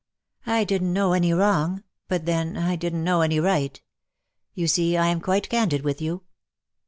I didn^t know any wrong; but then I didn^t know any right. You see I am quite candid with you.